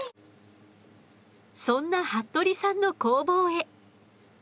そんな服部さんの工房へ。